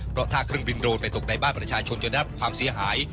เพราะถ้าเครื่องบินโรนไปตกในบ้านประชาชนจนได้รับความเสียหาย